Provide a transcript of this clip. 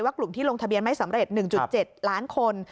กลุ่มที่ลงทะเบียนไม่สำเร็จ๑๗ล้านคน